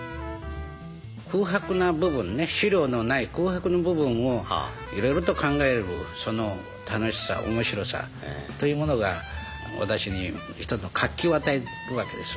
空白な部分ね資料のない空白の部分をいろいろと考えるその楽しさ面白さというものが私に一つの活気を与えるわけです。